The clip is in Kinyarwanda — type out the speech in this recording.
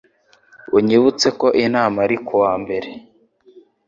Unyibutse ko inama ari kuwa mbere.